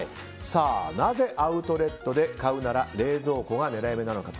なぜアウトレットで買うなら冷蔵庫が狙い目なのか。